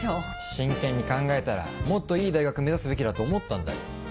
真剣に考えたらもっといい大学目指すべきだと思ったんだよ。